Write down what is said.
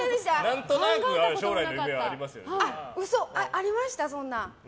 ありました、そんな？